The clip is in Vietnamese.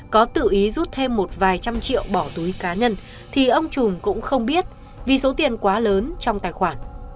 có tự ý rút thêm một vài trăm triệu bỏ túi cá nhân thì ông trùm cũng không biết vì số tiền quá lớn trong tài khoản